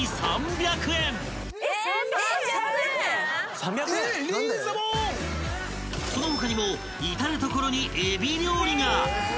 ３００円⁉［その他にも至る所にえび料理が］